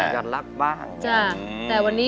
การรักบ้าง